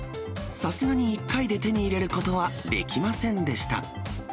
さすがに１回で手に入れることはできませんでした。